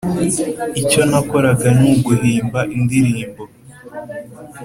icyo nakoraga ni uguhimba indirimbo